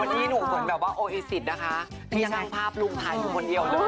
วันนี้หนูเหมือนแบบว่าโออิสิตนะคะที่ช่างภาพลุงถ่ายอยู่คนเดียวเลย